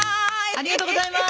ありがとうございます。